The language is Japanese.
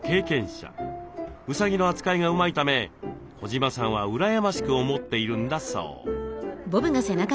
うさぎの扱いがうまいため児島さんは羨ましく思っているんだそう。